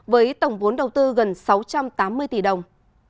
với tổng vốn đầu tư gần sáu trăm tám mươi tỷ đồng